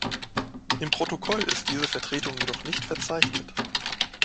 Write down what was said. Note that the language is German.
Im Protokoll ist diese Vertretung jedoch nicht verzeichnet.